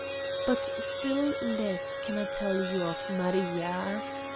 ... But still less can I tell you of Maria.